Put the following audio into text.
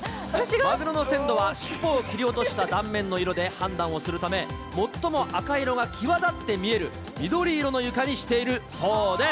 マグロの鮮度は、尻尾を切り落とした断面の色で判断をするため、最も赤色が際立って見える緑色の床にしているそうです。